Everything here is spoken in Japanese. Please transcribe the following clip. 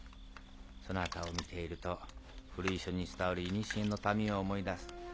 そなたを見ていると古い書に伝わる古の民を思い出す。